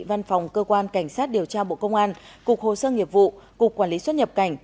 văn phòng cơ quan cảnh sát điều tra bộ công an cục hồ sơ nghiệp vụ cục quản lý xuất nhập cảnh